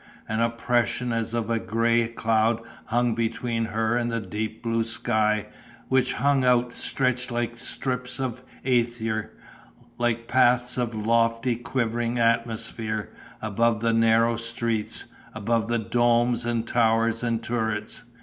An oppression as of a grey cloud hung between her and the deep blue sky, which hung out stretched like strips of æther, like paths of lofty, quivering atmosphere, above the narrow streets, above the domes and towers and turrets.